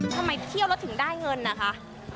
เที่ยวแล้วถึงได้เงินนะคะ